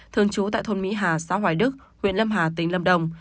thường trú tại thôn mỹ hà xã hoài đức huyện lâm hà tỉnh lâm đồng